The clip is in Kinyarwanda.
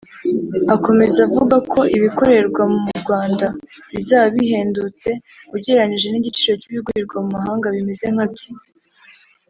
Akomeza avuga ko ibikorerwa mu Rwanda bizaba bihendutse ugereranije n’igiciro cy’ibigurirwa mu mahanga bimeze nkabyo